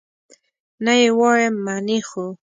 نه یې وایم، منې خو؟